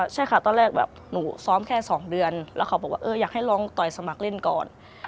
ใช่ค่ะตอนแรกแบบหนูซ้อมแค่๒เดือนแล้วเขาบอกว่าอยากให้ลองต่อยสมัครเล่นก่อน